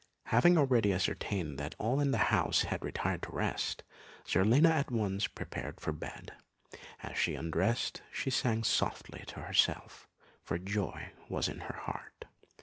Having already ascertained that all in the house had retired to rest, Zerlina at once prepared for bed; and as she undressed, she sang softly to herself, for joy was in her heart.